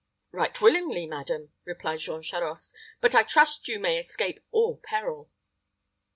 "Right willingly, madam," replied Jean Charost: "but I trust you may escape all peril."